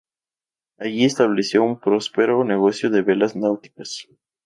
Allí estableció un próspero negocio de velas náuticas.